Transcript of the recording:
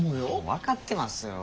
分かってますよ。